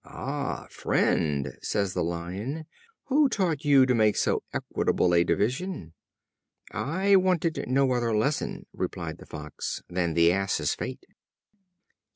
"Ah! friend," says the Lion, "who taught you to make so equitable a division?" "I wanted no other lesson," replied the Fox, "than the Ass's fate."